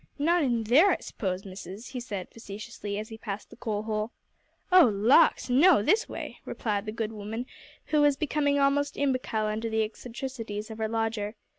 "Not in there, I suppose, missis," he said facetiously, as he passed the coal hole. "Oh, lawks! no this way," replied the good woman, who was becoming almost imbecile under the eccentricities of her lodger.